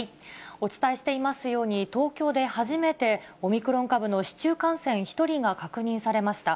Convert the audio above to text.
お伝えしていますように、東京で初めて、オミクロン株の市中感染１人が確認されました。